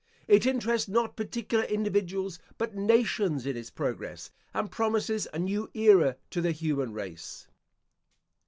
It interests not particular individuals, but nations in its progress, and promises a new era to the human race.